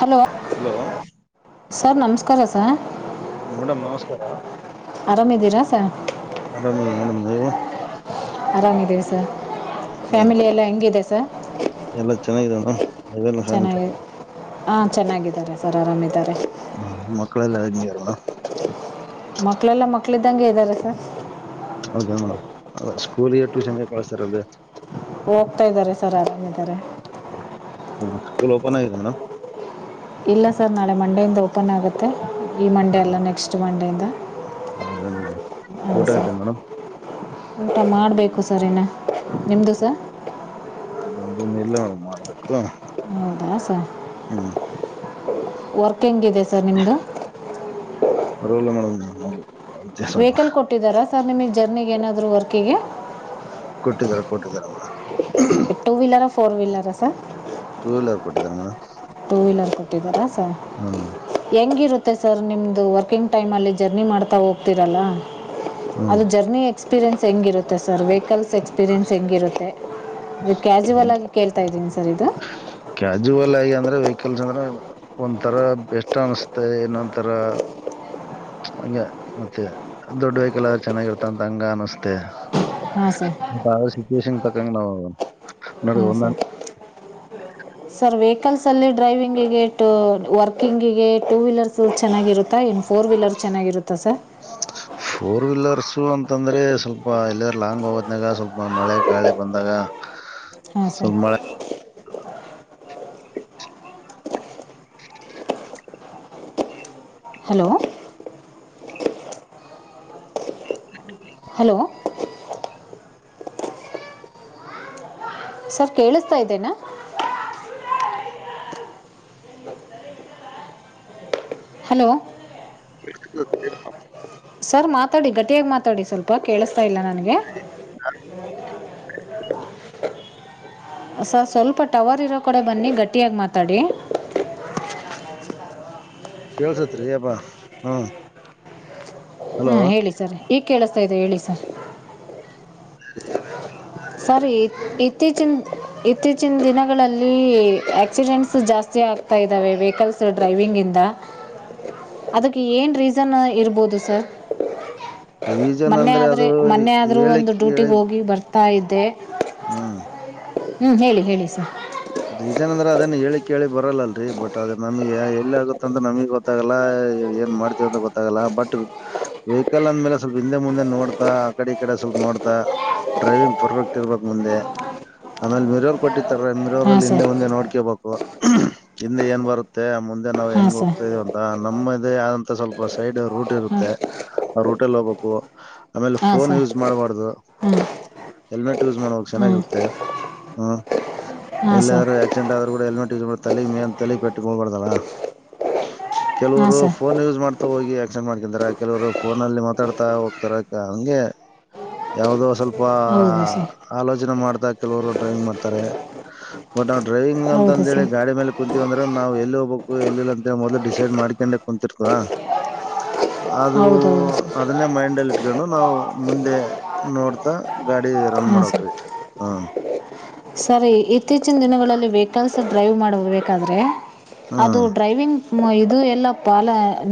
Hello. Hello sir ನಮಸ್ತೆ. Cooker ಸ. Madam ನಮಸ್ಕಾರ ಆರಾಮಿದ್ದೀರಾ ಸರ್ ಆರಾಮ ಮೇಡಮ್ ನೀವು. ಆರಾಮಿದ್ದೀವಿ ಸರ್. ಚ ಫ್ಯಾಮಿಲಿ ಎಲ್ಲ ಹೆಂಗಿದೆ ಸರ್ ಎಲ್ಲ ಚೆನ್ನಾಗಿದ. ಚೆನ್ನಾಗಿ ಹಾಂ ಚೆನ್ನಾಗಿದ್ದಾರೆ ಸರ್ ಆರಾಮಿದ್ದಾರೆ. ಹ್ಮ ಮಕ್ಕಳೆ ಎಲ್ಲಾ ನೀ ಬರಮಣ. ಮಕ್ಳೆಲ್ಲ ಮಕ್ಳ ಇದಿದ್ದಂಗೆ ಇದ್ದಾರೆ ಸರ್. ಹೌದಾ ಮೇಡಮ್ ಸ್ಕೂಲ್ ಟ್ಯೂಷನ್ಗೆ ಕಳ್ತಾರ ಅದು. ಹೋಗ್ತಾ ಇದಾರೆ ಸರ್ ಆರಾಮಿದ್ದಾರೆ. ಹ್ಮ ಸ್ಕೂಲ್ ಓಪನ್ ಆಗಿದೆ ಮೇಡಮ್. ಇಲ್ಲ ಸರ್ ನಾಳೆ ಮಂಡೆಯಿಂದ ಓಪನ್ ಆಗುತ್ತೆ. ಈ ಮಂಡೇ ಅಲ್ಲ ನೆಕ್ಸ್ಟ್ ಮಂಡೆಯಿಂದ ಹಾಂ ಊಟ ಸರ್. ಆಯ್ತಾ ಮೇಡಮ್ ಊಟ ಮಾಡಬೇಕು ಸರ್ ಇನ್ನ ನಿಮ್ಮದು ಸರ್ ನಮ್ದ ಇಲ್ಲ ಮಾಡಬೇಕು ದ ಸ ವರ್ ಹೆಂಗಿದೆ ಸರ್ ನಿಮ್ಮದು ಬರ ಇಲ್ಲ ಮೇಡಮ್ ನ ವೆಹಿಕಲ್ ಕೊಟ್ಟಿದಾರ ಸರ್ ನಿಮಗೆ ಜರ್ನಿಿಗೆ ಏನಾದರೂ ವರ್ಕಿಗೆ ಕೊಟ್ಟಿದ್ದಾರೆ ಕೊಟ್ಟಿದಾರಮ್ಮ ಟೂ ವೀಲರಾ ಫೋರ್ ವೀಲರಾ ಸರ್ ಟೂ ವೀಲರ್ ಕೊಟ್ಟಿದಾರ ಮಾಮ್ ಟೂ ವೀಲರ್ ಕೊಟ್ಟಿದ್ದಾರಾ ಹೆಂಗಿರುತ್ತೆ ಮತ್ತೆ ಸರ್ ನಿಮದು ವರ್ಕಿಂಗ್ ಟೈಮಲ್ಲಿ ಜರ್ನಿ ಮಾಡ್ತಾ ಹೋಗ್ತೀರಲ್ಲ ಹ್ಮ್ ಅದು ಜರ್ನಿ ಎಕ್ಸ್ಪೀರಿಯನ್ಸ್ ತಂಗಿರ ಇತ್ತೆ ಸರ್ ವೆಹಿಕಲ್ಸ್ ಎಕ್ಸ್ಪೀರಿಯನ್ಸ್ ಹೆೇಂಗಿರುತ್ತೆ ಇದು ಕ್ಯಾಜುವಲ್ ಆಗಿ ಕೇಳ್ತಾ ಇದ್ದೀನಿ ಸರ್ ಇದು ಕ್ಯಜುವಲ್ ಆಗಿ ಅಂದ್ರ ವೆಹಿಕಲ್ಸ್ ಅಂದ್ರ ಒಂದ ತರ ಬೆಸ್ಟ್ ಅನಸ್ತತೆ ಇನ್ನೊಂದ ತರ ಹಂಗ ಮತ್ತೆ ದೊಡ್ ವೆಹಿಕಲ್ ಆದ್ರೆ ಚೆನ್ನಾಗಿರ್ತ ಅಂತ ಹಂಗ ಅನಸ್ತೆೆ ಹಾಂ ಸರ್ ಸಿಚುಷವೇಷನ ಎ ನ ನಡಗ ಹಾಂ ಒಂದ ಸರ್ ಸರ್ ವೆಹಿಕಲ್ಸ ಅಲ್ಲಿ ಡ್ರೈವಿಂಗಿಗೆ ಟೂ ವರ್ಕಿಂಗಿಗೆ ಟೂ ವೀಲರ್ಸ್ ಚೆನ್ನಾಗಿರುತ್ತಾ ಇ ಫೋರ್ ವೀಲರ್ ಚೆನ್ನಾಗಿರುತ್ತಾ ಸರ್ ಸು ಅಂತಂದ್ರೆ ಸ್ವಲ್ಪ ಇಲ್ಲ ಲಾಂಗ್ ಹೋದ್ನಾಗ ಸ್ವಲ್ಪ ಮಳೆ ಗಾಳಿ ಬಂದಾಗ ಹಾಂ ಸರ್ ಸ್ವಲ್ಪ ಮಳೆ ಹಲೋ ಹಲೋ ಸರ್ ಕೇಳಸ್ತಾ ಇದ್ದೇನಾ ಹಲೋ ಹ ಸರ್ ಮಾತಾಡಿ ಗಟ್ಟಿಯಾಗಿ ಮಾತಾಡಿ ಸ್ವಲ್ಪ ಕೇಳಸ್ತಾ ಇಲ್ಲ ನನಗೆ ಹ ಸರ್ ಸ್ವಲ್ಪ ಟವರ್ ಇರೋ ಕಡೆ ಬನ್ನಿ ಗಟ್ಟಿಯಾಗಿ ಮಾತಾಡಿ ಕೇಳ್ಸತ್ರಿ ಅಬಾ ಹ್ಮ್ ಹ್ಮ ಹಲೋ ಹೇಳಿ ಸರಿ ಈಗ ಕೇಳಸ್ತಾ ಇದೆ ಹೇಳಿ ಸರ್ ಸ [inaudible] ಸರ್ ಇತ್- ಇತ್ತೀಚಿನ ಇತ್ತೀಚಿನ ದಿನಗಳಲ್ಲಿ ಆಕ್ಸಿಡೆಂಟ್ಸ್ ಜಾಸ್ತಿ ಆಗ್ತಾ ಇದ್ದಾವೆ ವೆಹಿಕಲ್ಸ್ ಡ್ರೈವಿಂಗಿಂದ ಅದಕ್ಕೆ ಏನ್ ರೀಸನ್ ಇರ್ಬೋದು ಸರ್ ರೀಜನ್ ಮೊನ್ನೆ ಅಂದ್ರೆ ಆದ್ರೆ ಅದು ಮೊನ್ನೆ ಆದ್ರೂ ಹೇಳಿ ಒಂದು ಕೇಳಿ ಡ್ಯೂಟಿಗೆ ಹೋಗಿ ಬರ್ತ [unintelligible] ಅರ್ಥ ಆಯ್ತು [unintelligible] ಹ್ಮ್ ಹ್ಮ್ ಹೇಳಿ ಹೇಳಿ ಸರ್ ರೀಸನ್ ಅಂದ್ರ ಅದೇನ್ ಹೇಳಿ ಕೇಳಿ ಬರಲ್ಲಲ್ರಿ ಬಟ್ ಅದ ನಮಗೆ ಎಲ್ಲಿ ಆಗುತ್ತ ಅಂತ ನಮಗ್ ಗೊತ್ತಾಗಲ್ಲ ಏನ್ ಮಾಡ್ತವ ಅಂತ ಗೊತ್ತಾಗಲ್ಲ ಬಟ್ ವೆಹಿಕಲ್ ಅಂದ್ಮೇಲೆ ಸ್ವಲ್ಪ ಹಿಂದೆ ಮುಂದೆ ನೋಡ್ತಾ ಆ ಕಡೆ ಈ ಕಡೆ ಸ್ವಲ್ಪ ನೋಡ್ತಾ ಡ್ರೈವಿಂಗ್ ಪರ್ಫೆಕ್ಟ್ ಇರ್ಬಕ್ ಮುಂದೆ ಆಮೇಲ್ ಮಿರರ್ ಕೊಟ್ಟಿರುತ್ತಾರೆ ಹಾಂ ರೋಡಲ್ಲಿ ಹಿಂದೆ ಸರ್ ಮುಂದೆ ನೋಡ್ಕೋಬೇಕು [unintelligible] ಹಿಂದೆ ಏನು ಬರುತ್ತೆ ಮುಂದೆ ನಾವು ಹಾಂ ಹೆಂಗ್ ಸರ್ ಹೋಗ್ತಾ ಇದೀವಿ ಅಂತ [unintelligible] [unintelligible] ಸ್ವಲ್ಪ ಸೈಡ್ ರೂಟ್ ಹಾಂ ಇರುತ್ತೆ ರೂಟಲ್ಲಿ ಹೋಗ್ಬೇಕು ಆಮೇಲೆ ಹಾಂ ಫೋನ್ ಸರ್ ಯೂಸ್ ಮಾಡಬಾರ್ದು ಹಾಂ ಹೆಲ್ಮೆಟ್ ಯೂಸ್ ಮಾಡಬೇಕು ಹಾಂ ಚೆನ್ನಾಗಿರುತ್ತೆ [unintelligible] ಹಾಂ ಸರ್ ಎಲ್ಲಾದ್ರೂ ಆಕ್ಸಿಂಟ್ ಆದ್ರೂ ಕೂಡ ಹೆಲ್ಮೆಟ್ ಯೂಸ್ ತಲೆ ಮೇಲೆ ತಲೆಗೆ ಪೆಟ್ಟ ಬೀಳಬಾರ್ದಲ್ಲ ಹಾಂ ಕೆಲವರು ಸರ್ ಫೋನ್ ಯೂಸ್ ಮಾಡ್ತಾ ಹೋಗಿ [unintelligible] ಕೆಲವರು ಫೋನಲ್ಲಿ ಮಾತಾಡ್ತಾ ಹೋಗ್ತಾರೆ ಹ ಯಾವುದು ಸ್ವಲ್ಪ ತುಂಬಾ ಹೌದು ಸರ್ ಆಲೋಚನೆ [unintelligible] ಕೆಲವರು ಡ್ರೈವಿಂಗ್ ಮಾಡ್ತಾರೆ ಒರಟ ಹೋರಟಿ ಡ್ರೈವಿಂಗ್ ಹೌದು ಅಂದ ಹೇಳಿ ಸರ್ ದಾಡಿ ಮೇಲೆ ಕುಂತೀವಿ ಅಂದ್ರೆ ನಾವು ಎಲ್ಲಿ ಹೋಗ್ಬೇಕು ಎಲ್ಲಿಲ್ಲ ಅಂತೇಳ ಮೊದ್ಲು ಡಿಸೈಡ್ ಮಾಡ್ಕೊಂಡೆ ಕುಂತಿರ್ತೀವ ಅದು ಹೌದೌದು ಅದನ್ನೇ ಮೈಂಡ್ [unintelligible] ಇಟ್ಕೊಂಡು ನಾವು ಮುಂದೆ ನೋಡ್ತಾ ಗಾಡಿ ರನ್ ಮಾಡಬೇಕು ಹಾ ಸರಿ ಇತ್ತೀಚಿನ ದಿನಗಳಲ್ಲಿ ವೆಹಿಕಲ್ಸ್ ಡ್ರೈವ್ ಮಾಡಬೇಕಾದ್ರೆ ಅದು ಹ್ಮ್ ಡ್ರೈವಿಂಗ್ ಇದು ಎಲ್ಲ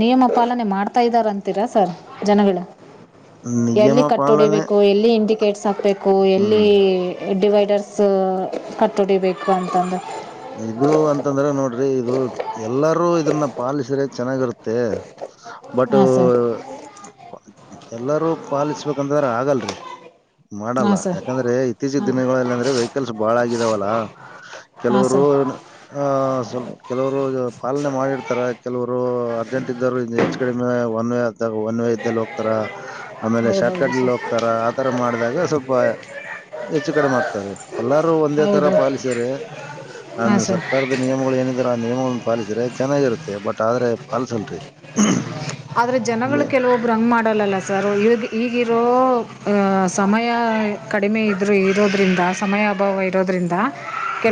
ನಿಯಮ ಪಾಲನೆ ಮಾಡ್ತಾ ಇದ್ದಾರೆ ಅಂತೀರಾ ಸರ್ ಜನಗಳು ನಿಯಮ ಎಲ್ಲಿ ಕಟ್ಟ ಪಾಲನೆ ಹೊಡಿಬೇಕು ಎಲ್ಲಿ ಇಂಡಿಕೇಟ್ರ್ಸ್ ಹಾಕ್ಬೇಕು ಎಲ್ಲಿ ಹ್ಮ್ ಡಿವೈನ್ಂಡರ್ ಸೋ ಕಟ್ಟೋಡಿ ಬೇಕು ಅಂತಂದ್ರ ಇದು [unintelligible] ಇದು ಎಲ್ಲಾರೂ ಇದನ್ನ ಪಾಲಿಸಿದರೆ ಚೆನ್ನಾಗಿರುತ್ತೆ ಬಟ್ ಹಾಂ ಸರ್ ಎಲ್ಲಾರೂ ಪಾಲಿಸ್ಬೇಕಂದ್ರ ಆಗಲ್ರಿ ಮಾಡಲ್ಲ ಹಾಂ ಸರ್ ಯಾಕಂದ್ರೆ ಇತ್ತೀಚ ಹಾಂ ದಿನಗಳಲ್ಲಿ ಅಂದ್ರೆ ವೆಹಿಕಲ್ಸ್ ಬಾಳ ಆಗಿದಾವಲ್ಲ. ಹಾಂ ಕೆಲವರು ಸರ್ ಅ ಸ್ವ ಕೆಲವರು ಪಾಲನೆ ಮಾಡಿರ್ತಾರ ಕೆಲವರು ಅರ್ಜೆಂಟ್ ಇದ್ದರು ಹೆಚ್ ಕಡಿಮೆ ಒನ್ ವೇ ಆದಾಗ ಒನ್ ವೇ ಇದ್ದಲ್ಲಿ ಹೋಗ್ತಾರ. ಆಮೇಲೆ ಶಾರ್ಟ್ ಹೌದೌದು ಕಟ್ಲ್ಲಿ ಸರ್ ಹೋಗ್ತಾರ ಆತರ ಮಾಡಿದಾಗ ಸ್ವಲ್ಪ ಹೆಚ್ಚು ಕಡಿಮೆ ಆಗ್ತಾರ ಎಲ್ಲಾರೂ ಒಂದೇ ತರ ಹೌದು ಪಾಲಿಸ್ರ ಅ ಹಾಂ ಸರ್ ಸರ್ಕಾರದ ನಿಯಮಗಳು ಏನಿದಾರ. ನಿಯಮನ್ನ ಪಾಲಿಸ್ರೆ ಚೆನ್ನಾಗಿರುತ್ತೆ ಬಟ್ ಆದ್ರೆ ಪಲ್ಸಲ್ರಿ ಆದ್ರೆ ಜನಗಳು ಕೆಲವೊಬ್ರು ಹಂಗ ಮಾಡಲ್ಲಲ್ಲ ಸರ್ ಈ ಈಗಿರೋ ಅ ಸಮಯ ಸಮಯ ಕಡಿಮೆ ಇದ್ರ ಇರೋದ್ರಿಂದ ಸಮಯ ಅಭಾವ ಇರೋದ್ರಿಂದ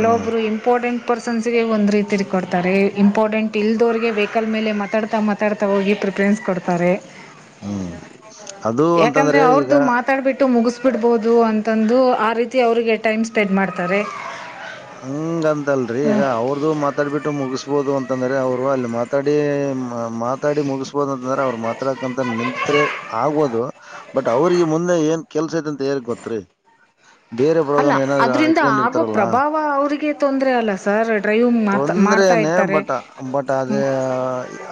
ಹ್ಮ್ ಇಂಪಾರ್ಟೆಂಟ್ ಪರ್ಸನ್ಸ್ಗೆ ಒಂದ ರೀತಿ ಕೊಡ್ತಾರೆ ಇಂಪಾರ್ಟೆಂಟ್ ಇಲ್ದೋರಗೆ ವೆಹಿಕಲ್ ಮೇಲೆ ಮಾತಾಡ್ತಾ ಮಾತಾಡ್ತಾ ಹೋಗಿ ಪ್ರ ಫ್ರೇನ್ಸ್ ಕೊಡ್ತಾರೆ ಹ್ಮ್ ಅದು ಯಾಕಂದ್ರೆ ಅಂತಂದ್ರೆ ಈಗ ಅವ್ರದು ಮಾತಾಡ್ಬಿಟ್ಟು ಮುಗಿಸ ಬಿಡ್ಬೋದು. ದು ಅಂತಂದು ಆ ರೀತಿ ಅವರಿಗೆ ಟೈಮ್ ಸ್ಪೆಂಡ್ ಮಾಡ್ತಾರೆ. ಹಂಗಂತಲ್ರರಿ ಈಗ ಅವ್ರದು ಮತ್ ಮಾತಾಡ್ಬಿಟ್ಟು ಮುಗಿಸಬಹುದು ಅಂತಂದ್ರೆ ಅವರು ಅಲ್ಲಿ ಮಾತಾಡಿ ಮಾತಾಡಿ ಮುಗಿಸಬಹುದು ಅಂತಂದ್ರೆ ಅವ್ರು ಮಾತಾಡಕಂತ ನಿಂತ್ರ ಆಗ್ಬಹದು ಬಟ್ ಅವ್ರಿಗೆ ಮುಂದೆ ಏನ್ ಕೆಲ್ಸ ಇ ಅಂತ ಹೇ ಗೊತ್ರಿ ಬೇರೆ ಅದ್ರಿಂದ ಆಗೋ ಪ್ರಭಾವ ಅವರಿಗೆ ತೊಂದರೆ ಅಲ್ಲ ಸರ್ ಡ್ರೈವಿಂಗ್ ಮಾತ್ ಮಾಡ್ತಾ ತೊಂದ್ರೆನೆೇ ಇರ್ತಾರೆ ಬಟ ಬಟ್ ಅದೇ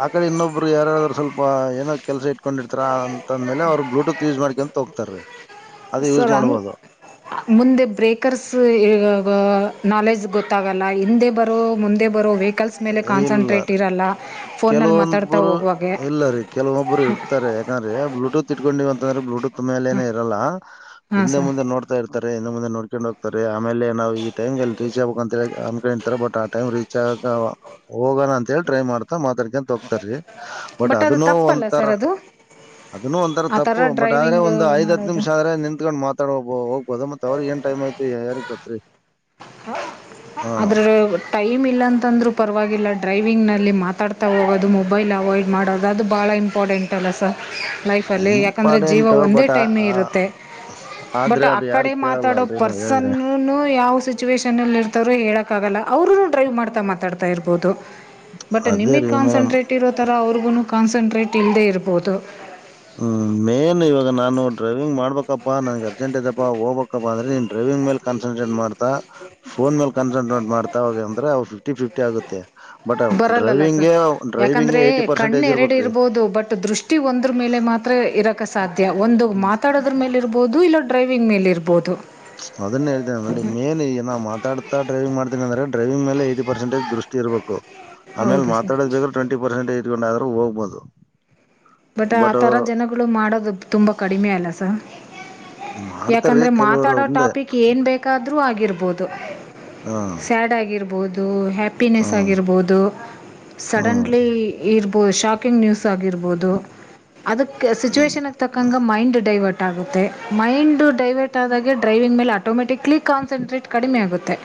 ಆ ಕಡೆ ಇನ್ನೊಬ್ರು ಯಾರಾದರು ಸ್ವಲ್ಪ ಏನೋ ಕೆಲಸ ಇಟ್ಕೊಂಡಿರ್ತಾರಾ. ಅಂದ್ಮೇ ಅವ್ರ ಬ್ಲೂತ್ ಯೂಸ್ ಮಾಡ್ಕಂತ ತ ಹೋಗ್ತಾರ್ರೀ. ಸರ್ ಹಂಗ ಮುಂದೆ ಬ್ರೇಕರ್ಸ್ ಈ ನಾಲೆಜ್ ಗೊತ್ತಾಗಲ್ಲ ಹಿಂದೆ ಬರೋ ಮುಂದೆ ಬರೋ ವ ಇಲ್ಲ ರೀ ಫೋನಲ್ಲಿ ಮಾತಾಡ್ತಾ ಕೆಲವೊಂದಬ್ಬರು ಹೋಗುವಾಗೆ ಇಲ್ಲ ರೀ ಕೆಲವೊಬ್ಬರು ಇರ್ತಾರೆ ಯಾಕಂದ್ರೆ ಬ್ಲೂಟೂತ್ ಇಟ್ಕೊಂಡಿವವ ಅಂತಂದ್ರೆ ಬ್ಲೂಟೂತ್ ಮೇಲೆನೆ ಇರಲ್ಲ ಹಾಂ ಹಿಂದೆ ಸರ್ ಮುಂದೆ ನೋಡ್ತಾ ಇರ್ತಾರೆ. ನ್ನು ಮುಂದ ನಡ್ಕೊಂಡು ಹೋಗ್ತಾರೆ. ಆಮೇಲೆ ನಾವು ಈ ಟೈಮಗೆಲ್ಲಿಬೇಕ ಅಂತ ಅನ್ಕೊಂಡತಾರ ಬಟ್ ಟೈಮ ರೀಚ್ ಆಗಕ ಹೋಗಣ ಅಂತ ಹೇಳಿ ಟ್ರೈ ಮಾಡ್ತಾ ಮಾತಾಡ್ ಹೋಗ್ತಾರಿ ಬಟ್ ಅದು ಅದನ್ನು ತಪ್ಪಲ್ಲ ಒಂಥರ ಸರ್ ಅದು ಅದನ್ನು ಒಂಥರ ಆ ತಪ್ಪು ಥರ ಬಟ್ ಆದ್ರೆ ಡ್ರೈವಿಂಗ್ ಒಂದು ಐದ ಹತ್ ಮಾಡೋದು ನಿಮಿಷ ಆದ್ರೆ ನಿತ್ಕೊಂಡ್ ಮಾತ್ರ ಮಾಾಡಬ ಹೋಗ್ಬೋದ ಮತ್ತತ್ ಅವ್ರ ಏನ್ ಟೈಮ್ ಐತಿ ಯಾರಿ ಗೊತ್ರಿ. ಹ ಅದ್ರ ಟೈಮ್ ಇಲ್ಲ ಅಂತಂದ್ರರು. ಪರವಾಗಿಲ್ಲ ಡ್ರೈವಿಂಗ್ನಲ್ಲಿ ಮಾತಾಡ್ತಾ ಹೋಗೋದು ಮೊಬೈಲ್ ಅವಾಯ್ಡ್ ಮಾಡೋದು ಅದು ಭಾಳ ಇಂಪಾರ್ಟೆಂಟಲ್ಲ ಸರ್. ಲೈಫಲ್ಲಿ ಯಾಕಂದ್ರೆ ಜೀವ ಇಂಪಾರ್ಟೆಂಟ್ ಒಂದೇ ಬಟ್ ಟೈಮೇ ಇರುತ್ತೆ ಆದ್ರೆ ಬಟ್ ಆ ಅದು ಯಾರು ಕಡೆ ಕೇಳಲ್ಲ ಮಾತಾಡೋ ಅಲ್ರರಿ ನಾವ್ ಪರ್ಸನ್ ಹೇಳಿದ್ರೆ ಯಾವ. ಸಿಚುವೇಷನಲ್ಲಿ. ಇವರು ಹೇಳಕ್ಕಾಗಲ್ಲ ಅವರು ಡ್ರೈವ್ ಮಾಡ್ತಾ ಮಾತಾಡ್ತಾ ಇರ್ಬೋದು. ಬಟ್ ಅದೇ ನಿಮಗ್ ರೀ ಮೇಡಮ್ ಕಾನ್ಸಂಟ್ರೇಟ್ ಇರೋ ತರ ಅವ್ರಿಗೂ ಕ. ಕಾನ್ಸನ್ಟ್ರೇಟ್ ಇಲ್ಲದೇ ಇರ್ಬೋದು. ಹಬೇಕಪ್ಪಾ ನನ್ಗೆ ಅರ್ಜೆಂಟ್ ಇದಪ್ಪಾ ಹೋಗ್ಬೇಕಾಪ್ಪ ಅ್ರೆ ನೀನ್ ಡೈವಿಂಗ್ ಮೇ ಕನ್ಸಟ್ರೇಟ್ ಮಾಡ್ಾಫೋನ್ ಮೇಲ್. ಕನ್ಸಂಟಟ್ ಮಾಡತಾವ ಅಂದ್ರೆವು ಫ್ಟಿಫಿಫಿ. ಷ್ಟ ಆಗುತ್ತೆ. ಬಟ್ ಬರಲ್ಲಲ್ಲ ಸರ್ ಡ್ರೈವಿಂಗ್ಗೆ ಡ್ರೈವಿಂಗ್ಗೆ ಯಾಕಂದ್ರೆ ಏಯ್ಟಿ ಕಣ್ಣ ಪರ್ಸೆಂಟೇಜ್ ಎರಡು ಇರ್ಬೇಕ್ರಿ ಇರ್ಬಹುದು ಬಟ್ ದೃಷ್ಟಿ ಒಂದ್ರ. ಮೇಲೆ ಮಾತ್ರ ಇರಕ್ಕೆ ಸಾಧ್ಯ. ಒಂದು ಮಾತಾಡೋದ್ರ ಮೇಲೆ ಇರಬಹುದು ಇಲ್ಲೊ. ಡ್ರೈವಿಂಗ್ ಮೇಲಿ ಇರ್ಬೋದು. ಅದನ್ನೇ ಹೇತೇನೆಲ್ಲಿ ಮೇನ್ ಈಗ ನಾ ಮಾತಾಡ್ತ ಡ್ರೈವಿಂಗ್ ಮಾಡ್ತ. ಂದ್ರೆಡೈವಿಂಗ ಮೇ ಟಿ ಪರ್ಸೆಟಜ ದೃಷ್ಟಿ ಇಬೇಕು. ಆಮೇಲೆ ಹೌದು ಸರ್ ಮಾತಾಡ ಬೇಕ್ರ ಟ್ವೆಂಟ ಪರ್ೆಂಟ್ ಇಟ್ೊಂಡ. ಹೋಗ್ಬೋದು. ಬಟ್ ಆ ತರ ಜನಗಳು ಮಾಡೋದು ತುಂಬಾ ಕಡಿಮೆ ಅಲ್ಲ. ಸ. ಮಾಡ್ತಾರೀ ಯಾಕಂದ್ರೆ ಕೆಲವರು ಮಾತಾಡೋ ಒಂದೆ ಟಾಪಿಕ್ ಏನ್ ಬೇಕಾದ. ೂ ಆಗಿರ್ಬೋದು. ಹಾ ಸ್ಯಾಡ್ ಆಗಿರ್ಬಹುದು. ದೂ. ಹಾ ಹ್ಯಾಪಿನೆಸ್ ಆಗಿರ್ಬೋದು ಹ್ಮ್ ಸಡನ್ಲಿ ಇರ್. ಪ ಶಾಕಿಂಗ್ ನ್ಯೂಸ್ ಆಗಿರ್ಬೋದು. ಅದಕ್ಕೆ ಹ್ಮ್ ಸಿಚುವೇೇಶನ್ ತಕ್ಕಂಗ ಮೈಂಡ್ ಡೈವರ್ಟ್. ಆಗುತ್ತೆ ಮೈಂಡ್. ೈವರ್ಟ್ ಆದ ಡ್ರೈವಿಂಗ್ೇಲೆ ಆಟೋಮೆಟಿಕ್ ಕನ್ಸನ್ಟ್ರೇಟ್ ಕಡಿಮೆ ಆುತ್ತೆ. ಮತ್ತುೆ.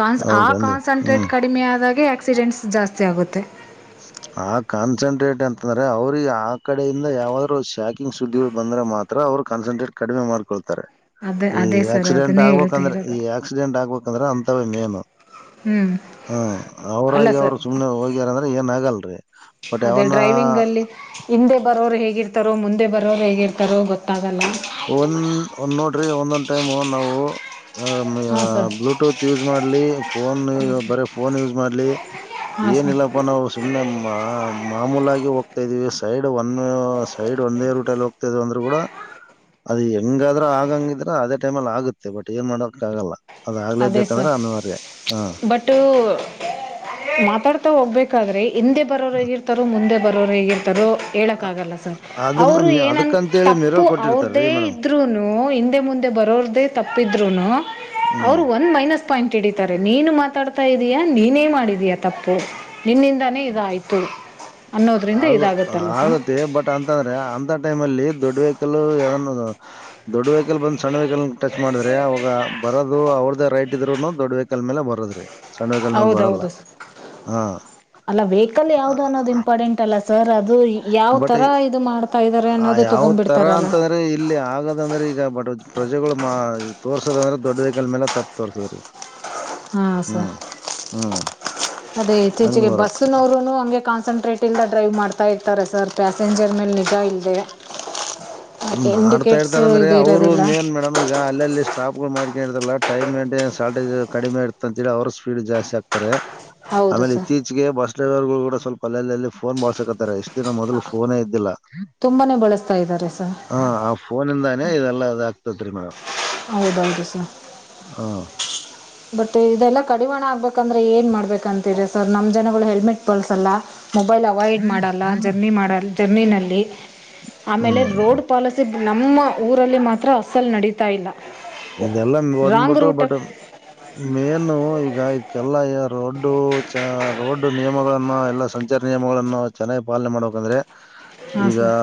ಕಾನ್ ಆ ಹೌದೇನ್ರಿ ಹ್ಮ್ ಕಾನ್ಸಂಟ್ರೇಟ್ ಕಡಿಮೆ ಆದಾಗ. ಆಕ್ಸಿಡೆಂಟ್ಸ್ ಜಾಸ್ತಿ ಆಗುತ್ತೆ. ಆ ಕಾನ್ಸಂಟ್ರೇಟ್ ಅಂತಂದ್ರೆ ಅವ್ರಿಗೆ ಆ ಕಡೆಯಿಂದ ಯಾವಾದ್ರು ಶಾಕಿಂಗ್ ಸುದ್ದಿಗಳು ಬಂದ್ರೆ ಮಾತ್ರ ಅವರು ಕಾನ್ಸಂಟ್ರೇಟ್ ಕಡಿಮೆ ಮಾಡ್ಕೊಳ್ತಾರೆ. ಅದೇ ಈ ಅದೇ ಸರ್ ಆಕ್ಸಿಡೆಂಟ್ ಅದನ್ನೇ ಹೇಳ್ತಾ ಆಗ್ಬೇಕಂದ್ರೆ ಇರೋದು ಈ ಆಕ್ಸಿಡೆಂಟ್ ಆಗ್ಬೇಕಂದ್ರೆ ಅಂತ. ಇಂತವೆ ಮೇನು. ಹ್ಞೂ ಹಾ ಅಲ್ಲ ಅವರಾಗಿ ಅವ್ರು ಸರ್ ಸುಮ್ನೆ ಹೋಗ್ಯಾರ ಆಂದ್ರ. ಏನ್ ಆಗಲ್ ಬಟ್ ಯಾವನ್ನ. ಬರೋ್ ಹೇಗಿರ್ತಾರೋ ಮುಂದೆ ಬರೋರು ಹೇರ್ತಾರೋ ಗೊತ್ತಿಲ್ಲ. ಒಂದ್ ಒಂದ್ ನೋಡ್ರಿ ಒಂದೊ. ಟೈಮು ನಾವು. ಹಾಂ ಸರ್ ಬ್ಲೂಟೂತ್ ಯೂಸ್ ಮಾಡ್ಲಿ ಫೋನ್ ಬರ ಫೋನ್ ಯೂಸ್ ಮಾಡ್ಲಿ ಹಾಂ ಸರ್ ಏನಿಲ್ಲಪ್ಪ ನಾವು ಸುಮ್ನೆ. ಮಾಮೂಲಾಗಿ ಹೋಗ್ತಾ ಇದೀವಿ ಸೈಡ್ ಒನ್. ಸೈಡ್ ಒಂದೇ ರೂಟಲ್ಲಿ ಹೋಗ್ತದ ಅಂದ್ರೆ. ತೂಗುಡ. ಅದ್ ಹೆಂಗಾದ್ರ ಆಗಂಗಿದ್ರ ಅದೇ ಟೈಮಲ್ಲಿ ಆಗುತ್ತೆ ಬಟ್ ಏನ್ ಮಾಡೋಕ ಆಗಲ್ಲ. ಅದೇ ಅದಾಗಗ್ಲೇಬೇಕೇಕಂದ್ರೆ ಸರ್ ಅನಿವಾರ್ಯ ಹಾ. ಬಟ್ ಮಾತಾಡ್ತಾ ಹೋಗ್ಬೇಕಾದ್ರಿ ಹಿಂದೆ ಬರೋರ ಹಗ ಇರ್ತಾರೋ ಮುಂದೆ. ಬರೋರು ಹೇಗಿರ್ತಾರೋ. ಹೇಳೋಕ್ಕಾಗಲ್ಲ ಸರ್ ಅವರು ಅದನ್ನ ಏನನ್ನ ಅದಕ್ಕಂತೇಳಿ ತಪ್ಪು ಮಿರರ್ ಕೊಟ್ಟಿರ್ತಾರೀ ಅವ್ರದೇ ಮೇಡಮ್ ಇದ್ರೂ ಹಿಂದೆ ಮುಂದೆ ಬರೋ್ರದೇ ತಪ್ಪಿದ್ರೂ. ಹ್ಮ್ ಅವರು ಒಂದು ಮೈನಸ್. ಪಾಯಿಂಟ್ ಹಿಡಿತಾರೆ ನೀನು ಮಾತಾಡ್ತಾ ಇದೀಯಾ ನೀನೇ ಮಾಡಿದೀಯ ತಪ್ಪು ನಿನ್ನಿಂದಾನೇ ಇದಾಯ್ತು. ಆಗ ಆಗತ್ತೆ ಬಟ್ ಅಂತಂದ್ರೆ ಅಂತ ಟೈಮ್ ಅಲ್ಲಿ. ದೊಡ್ ವೆಹಕಲ್ ದೊಡ್ ವೆಹಕಲ್ ಬಂದ. ಸಣ್ ವೆಹಿಕಲ್ ಟಚ್ ಮಾಡಿದ್ರೆ ಅವಾಗ ಬರೋದು ಅವ್ರದೆ. ರೈಟ್ ಇದ್ರುನು ದೊಡ್ವೇಕಲ್ ಮೇಲೆ ಬರದ್ರಿ. ಹೌದೌದು ಅಲ್ಲ ವೆಹಿಕಲ್ ಯಾವ್ದ ಅನ್ನೋದು ಇಂಪಾರ್ಟೆಂಟ್. ಇಲ್ಲ ಸರ್ ಅದು. ಯಾವ ಬಟ್ ತರ ಇದು ಮಾಡ್ತಾ ಇದಾರೆ ಅನ್ನೋದು ಯಾವ ತರ ತಗೊಂಡ್ಬಿಡ್ತಾರಲ್ಲ ಅಂತಂದ್ರೆ ಇಲ್ಲಿ ಆಗದಂದ್ರೆ ಈಗ ಬಟ್. ಪ್ರಜೆಗಳು ಮಾ ತೋರ್ಸದ ಅಂದ್ರೆ ದೊಡ್ಡ ವಕಲ್ ಮೇಲೆ ತಪ್ಪು ತೋರ್ಸದ್ರ ಈಗ. ಹಾ ಸರ್ ಅದೇ ಹಂಗ್ ಇತ್ತೀಚೆಗೆ ಬರತ್ ಬಸ್ಸನವರುೂನು ಹಗೆ ಕಾನ್ಸಂಟ್ರೇಟ್ ಇಲ್ದೆ ಡ್ರೈವ್ ಮಾಡ್ತಾ ಇರ್ತಾರೆ ಸರ್. ಪ್ಯಾಸೆಂಜರ್ ಮೇಲೆ ನಿಗಾ ಇಲ್ಲ್ದೆ. ಮಾಡ್ತಾ ಇರ್ತಾರ ಅಂದ್ರೆ ಅವರು ಇರೋದಿಲ್ಲ ಮೇನ್ ಮೇಡಮ್ ಈಗ ಅಲ್ಲೆಲ್ಲಿ ಸ್ಟಾಪ್ಗಳು ಮಾಡ. ಲ್ಲ ಟೈಮ್ ಮೇಂಟೈನ್ ಶಾರಲ್್ಟಜ ಕಡಿಮೆ ಇತ ಅಂತಿ ಅವರು ಸ್ಪೀಡ್ ಜಾಸ್ತಿ ಆಗ್ತಾರೆ. ಹೌದು ಆಮೇಲೆ ಸರ್ ಇತ್ತೀಚೆಗೆ ಬಸ್ ಡೇವರ್ಗಳು ಕೂಡ ಸ್ವಲ್ಪ. ಕೊಲ ಫೋನ್ ಮಾಡ್ಸಕತ್ತಾರೆ ಎಷ್ಟು. ದಿನ ಮೊದಲು ಫೋನೇ ಇದ್ದಿಲ್ಲ. ತುಂಬಾ ಬಳಸ್ತಾ ಇದ್ದಾರೆ ಸರ್ ಹ ಆ ಫೋನಿಂದಾನೇ ಇದೆಲ್ಲ ಅ ಆಗ್ತತ್ರಿ ಮೇಡಮ್ ಹೌದೌದು ಸರ್ ಹಾ. ಬಟ್ ಇದೆಲ್ಲ ಕಡಿವಾಣ ಆಗ್ಬೇಕಂದ್ರೆ ಏನ್ ಮಾಡ್ಬೇಕಂತ್ರ ಸರ್ ನಮ್ ಜನಗಳು ಹೆಲ್ಮೆಟ್ ಬಳಲ್ಸಲ್ಲ. ಮೊಬೈಲ್ ಅವಾಯ್ಡ್ ಮಾಡಲ್ಲ. ಮಾಡ ಜರ್ನಿ. ಟ್ಟಿನಲ್ಲಿ. ಆಮೇಲೆ ಹ್ಮ್ ರೋಡ್ ಪಾಲಿಸಿ. ನಮ್ಮ ಊರಲ್ಲಿ ಮಾತ್ರ ಅಸಲ್ಲಿ ನಡೀತಾ ಇಲ್ಲ. ಇದೆಲ್ಲ ರಾಂಗ್ ಹೊಂದ್ಬಿಟ್ಟು ಬಟ್ ರೂಟಲ್ಲಿ ಮೇನು ಈಗ. ಹ್ಮ್ಮ್. ಅಲ್ಲ ಯ ರೋಡ್ಡು ಚ. ರೋಡ್ ನಿಯಮಗಳಗಳನ್ನು ಎಲ್ಲಾ ಸಂಚಾರ ನಿಯಮಗಳನ್ನು ಚೆನ್ನಾಗಿ ಪಾಲನೆ ಮಾಡ್ಬೇಕಂದ್ರೆ. ಹಾಂ ಈಗ sir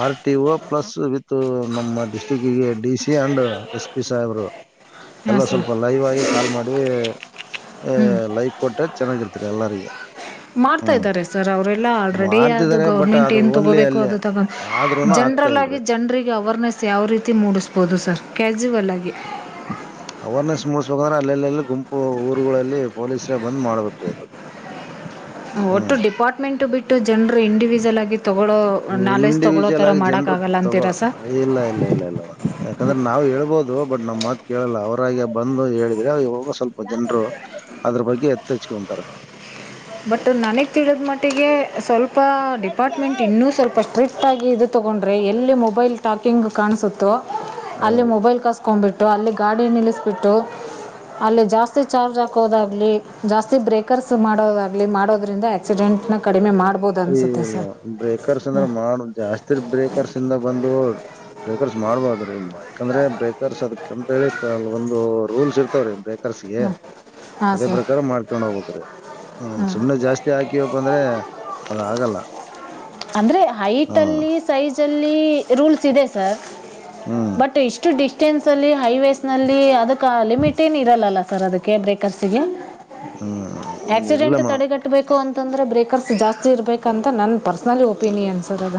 R T O plus with. ನಮ್ಮ ಡಿಸ್ಟ್ರಿಕ್ಿಗೆ. D C and S. P ಸಾಹೇಬ್ರು ಹಾಂ ಎಲ್ಲ ಸರ್ ಸ್ವಲ್ಪ ಲೈವ್ ಆಗಿ ಕಾಲ್ ಮಾಡಿ ಹ್ಞೂ ಲೈವ್ ಕೊಟ್ಟ ಚೆನ್ನಾಗಿರ್ತಾರೆ ಎಲ್ಲಾರಗ. ಮಾಡ್ತಾ ಇದ್ದಾರೆ ಸರ್ ಅವರೆಲ್ಲ ಆಲ್ರೆಡಿ ಅದು ಮಾಡ್ತಿದ್ದಾರೆ ಬಟ್ ಗೌರ್ಮೆಂಟ್ ಅದು ಏನ್ ಓನ್ಲಿ ತಗೋಬೇಕು ಅಲ್ಲಿ ಅದು ತಗೊಂಡ ಆದ್ರೂನು ಆಗ್ತಾ ಜನ್ರಲ್ ಆಗಿ ಇಲ್ರಿ ಜನರಿಗೆ ಅವೇರ್ನೆಸ್ ಯಾವ ರೀತಿ. ಮೂಡಿಸ್ಬೋದು ಸರ್ ಕ್ಯಾಜುವಲ್ ಆಗಿ. ಅವೇರ್ನೆಸ್ ಮೂಡಿಸಬೇಕಂದ್ರೆ ಅೆಲ್ಲೆಲ್ಲ ಗುಂ. ಊರುಗಳಲ್ಲಿ ಪೊಲೀಸ್ರೇ ಬಂದ್ ಮಾಡ್ಬೇಕ್ರೀ ಅದು. ಒಟ್ಟು ಹ್ಮ್ ಡಿಪಾರ್ಟ್ಮೆಂಟ್ ಬಿಟ್ಟು ಜನರು ಇಂಡಿವಜ. ಲ್ಲ. ಇಂಡಿವಿಜುವಲ್ ಆಗಿ ಜನ್ರು ಮಾಡೋಕ್ಕಾಗಲ್ಲ ತಗೊಳ ಅಂತೀರಾ ಸರ್ ಇಲ್ಲ ಇಲ್ಲ ಇಲ್ಲ ಇಲ್ಲ ಯಾಕಂದ್ರೆ ನಾವ್ ಹೇಳ್ಬೋದು. ಬಟ್ ನಮ್ ಮಾತ್ ಕೇಳಲ್ಲ ಅವರಾಗ ಬಂದು ಹೇಳಿದ್ರೆ ಹೋಗ ಸ್ವಲ್ಪ ಜನ್ರು ಅದ್ರ ಬಗ್ಗೆ ಎತ್ತೆಚ್ಕಟಾರ. ಬಟ್ ನನಗ್ ತಿಳಿದ ಮಟ್ಟಿಗೆ. ಸ್ವಲ್ಪ ಡಿಪಾರ್ಟ್ಮೆಂಟ್ ಇನ್ನೂ ಸ್ವಲ್ಪ ಸ್ಟ್ರಿಕ್. ಅಾಗಿಿ ಇದು ತಗೊಂಡ್ರೆ ಎಲ್ಲಿ ಮೊಬೈಲ್ ಟಾಕಿಂಗ್ ಕಾಣಸುತ್ತು. ಹ ಅಲ್ಲಿ ಮೊಬೈಲ್ ಕ. ಹಾಕೊಂಡ್ಬಿಟ್ಟು ಅಲ್ಲಿ ಗಾಡಿ ನಿಲ್ಲಿಸಬಿಟ್ಟು ಅಲ್ಲಿ ಜಾಸ್ತಿ ಚಾರ್ಜ್ ಹಾಕೋದಾಗ್ಲಿ ಜಾಸ್ತಿ ಬ್ರೇಕರ್ಸ್ ಮಾಡೋದಾಗಲಿ. ಮಾಡೋದ್ರಿಂದ ಆಕ್ಸಿಡೆಂಟ್ ನ ಕಡಿಮೆ ಮಾಡ. ಇಲ್ಲ ಬ್ರೇಕರ್ಸ್ ಅಂದ್ರೆ ಮಾಡ ಜಾಸ್ತಿ ಬ್ರೇಕರ್ಸ್ ಇಿಂದ ಬಂದೋ. ಬ್ರೇಕರ್ಸ್ ಮಾಡ್ಬೋ್ರ. ಯಾಕಂದ್ರೆ ಬ್ರೇಕರ್ಸ್ ಅದಕಂತ ಹೇಳಿ ಕ ಒಂದು ರೂಲ್ಸ್ ಇರ್. ತೂರಿ ಕರ್ಸಿಗೆ ಹಾಂ ಹಾಂ ಅದೇ ಸರ್ ಪ್ರಕಾರ ಮಾಡ್ಕೊಂಡ್ ಹೋಗ್ಬ್ರೀ ಹ್ಮ್ ಹಾಂ ಸುಮ್ನೆ ಜಾಸ್ತಿ ಹಾಕಿವಪ್ಪ ಅಂದ್ರೆ ಅದಾಗಲ್ಲ ಅಂದ್ರೆ ಹೈಟ್ ಅಲ್ಲಿ ಸೈಜ್ ಅಲ್ಲಿ ಇಲ್ಲಿ ರೂಲ್ಸ್ ಇದೆ ಸರ್ ಹ್ಮ್ ಬಟ್ ಇಷ್ಟು ಡಿ ಸ್ ಅಲ್ಲಿ ಹೈವೇಸ್ ನಲ್ಲಿ ಅದ ಕಾಲ ಲಿಮೀಟ ಏನೀರಲ್ಲ ಅಲ್ಲ ಸ ಸರ ಅದಕ್ಕೆ ಬ್ರೇಕರ್ಸಿಗೆ ಹ್ಮ್ ಇಲ್ಲ ಆಕ್ಸಿಡೆಂಟ್ ಮೇಡಮ್ ತಡೆಗಟ್ಟಬೇಕು ಅಂತಂದ್ರೆ ಬ್ರೇಕರ್ ಜಾಸ್ತಿ ಇರ್ಬೇಕಂತ ನನ್ ಪರ್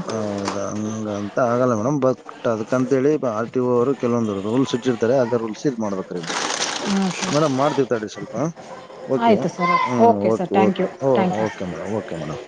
ಹೌದಾ ಹಂಗಂತ ಆಗಲ್ಲ ಮೇಡಮ್ ಬ ಅದಕ ಅಂತೇಳಿ ಆರ್ಟಿ ಓ ಅವರು ಕೆಲವೊಂದು ರೂಲ್ಸ್ ಇಟ್ಟಿರ್ತಾರೆ ಅದ ರೂಲ್ಸ್ ಇದ್ ಮಾಡ್ಬೇಕ ರೀ ಮೇಡಮ್ ಹ್ಞೂ ಸರ್ ಮೇಡಮ್ ಮಾಡ್ತೀವಿ ತಡಿ ಸ್ವಲ್ಪ ಓಕೆ ಆಯಿತು ಸರ್ ಹ್ಮ okay sir thank you thank you sir okay madam okay madam